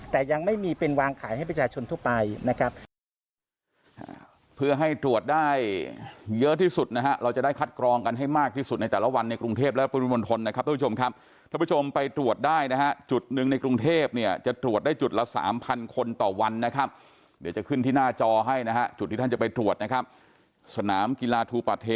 แต่ยังไม่มีเป็นวางขายให้ประชาชนทั่วไปนะครับ